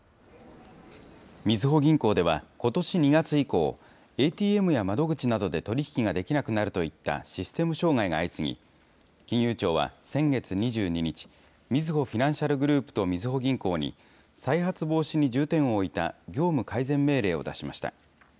みずほ銀行ではことし２月以降、ＡＴＭや窓口などで取り引きができなくなるといったシステム障害が相次ぎ、金融庁は先月２２日、みずほフィナンシャルグループとみずほ銀行に、再発防止に重点を置いた業務改善命令を出しました。